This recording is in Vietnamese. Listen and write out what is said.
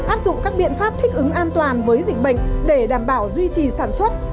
áp dụng các biện pháp thích ứng an toàn với dịch bệnh để đảm bảo duy trì sản xuất